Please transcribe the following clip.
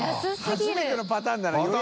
初めてのパターンだな予約。